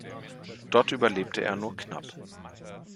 Dort überlebte er nur knapp.